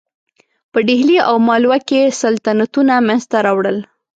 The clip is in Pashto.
په ډهلي او مالوه کې سلطنتونه منځته راوړل.